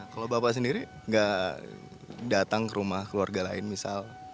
kalau bapak sendiri gak datang ke rumah keluarga lain misal